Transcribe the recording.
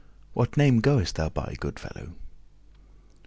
"What name goest thou by, good fellow?"